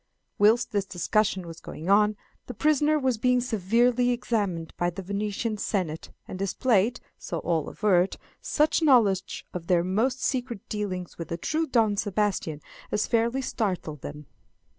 Whilst this discussion was going on, the prisoner was being severely examined by the Venetian Senate, and displayed, so all averred, such knowledge of their most secret dealings with the true Don Sebastian as fairly startled them.